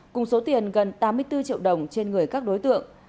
cùng số tiền gần tám mươi bốn triệu đồng trên người các đối tượng